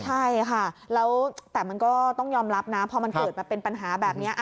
ใช่ค่ะแล้วแต่มันก็ต้องยอมรับนะพอมันเกิดมาเป็นปัญหาแบบนี้